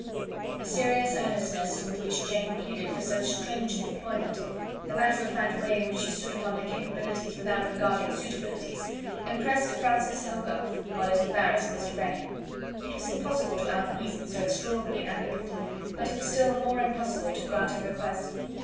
The serious earnestness with which Jane pleaded for so strange an employment the matter of fact way in which she stood upon her capabilities, without regarding suitabilities impressed Francis Hogarth while it embarrassed Mr. Rennie. It was impossible to out reason so extraordinary an applicant, but it was still more impossible to grant her request.